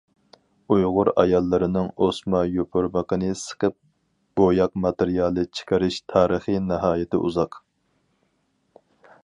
ئۇيغۇر ئاياللىرىنىڭ ئوسما يوپۇرمىقىنى سىقىپ بوياق ماتېرىيالى چىقىرىش تارىخى ناھايىتى ئۇزاق.